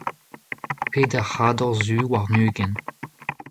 peder c'hador zu warn-ugent.